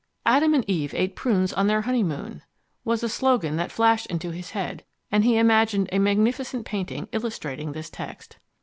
"Adam and Eve Ate Prunes On Their Honeymoon" was a slogan that flashed into his head, and he imagined a magnificent painting illustrating this text.